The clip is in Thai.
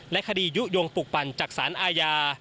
คดียุโยงปลูกปั่นจากสารอาญา